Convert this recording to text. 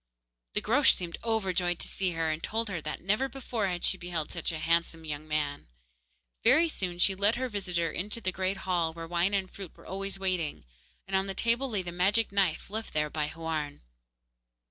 The Groac'h seemed overjoyed to see her, and told her that never before had she beheld such a handsome young man. Very soon she led her visitor into the great hall, where wine and fruit were always waiting, and on the table lay the magic knife, left there by Houarn.